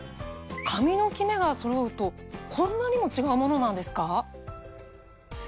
髪のキメがそろうとこんなにも違うものなんですか？